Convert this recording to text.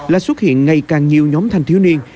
là xuất hiện ngày càng nhiều nhóm thanh thiếu niên